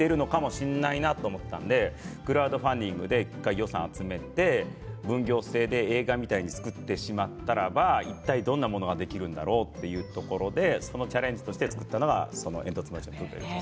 なのでクラウドファンディングで１回、予算を集めて分業制で映画みたいに作ってしまえばいったいどんなものができるんだろうというところでそのチャレンジとして作ったのが「えんとつ町のプペル」で。